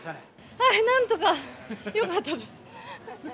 はい、なんとか、よかったです。